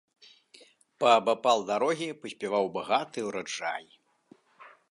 Паабапал дарогі паспяваў багаты ўраджай.